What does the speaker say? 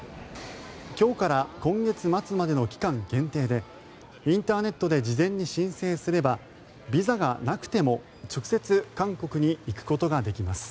今日から今月末までの期間限定でインターネットで事前に申請すればビザがなくても直接韓国に行くことができます。